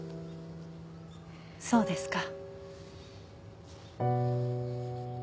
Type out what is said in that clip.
そうですか。